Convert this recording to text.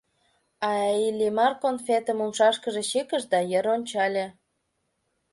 А Иллимар конфетым умшашкыже чыкыш да йыр ончале.